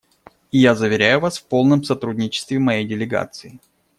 И я заверяю вас в полном сотрудничестве моей делегации.